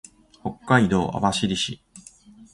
北海道網走市